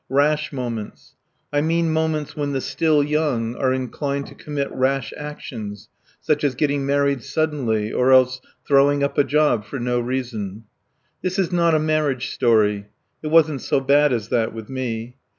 Rash moments. I mean moments when the still young are inclined to commit rash actions, such as getting married suddenly or else throwing up a job for no reason. This is not a marriage story. It wasn't so bad as that with me.